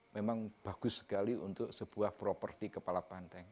memang bagus sekali untuk sebuah properti kepala banteng